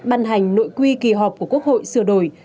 ban hành nội quy kỳ họp của quốc hội sửa đổi